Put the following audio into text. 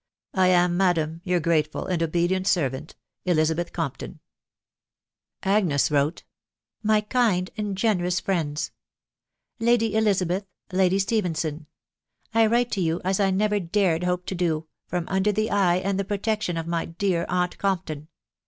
" I am, Madam, '•• Your grateful and obedient servant, " Elizabeth Coupiozf." Agnes wrote :—" My kind and generous Friends,, •" Lady Elizabeth !.... Lady Stephenson ! I write to you, as I never dared hope to do, from under the eye and the protection of my dear aunt Compton.